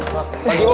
selamat pagi bu